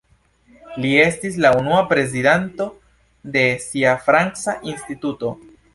Li estis la unua prezidanto de sia franca instituto.